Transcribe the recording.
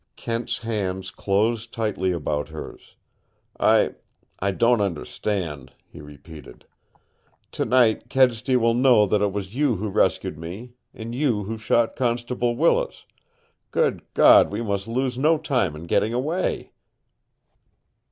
Kent's hands closed tighter about hers. "I I don't understand," he repeated. "Tonight Kedsty will know that it was you who rescued me and you who shot Constable Willis. Good God, we must lose no time in getting away!"